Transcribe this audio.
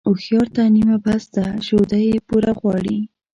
هوښيار ته نيمه بس ده ، شوده يې پوره غواړي.